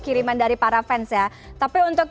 kiriman dari para fans ya tapi untuk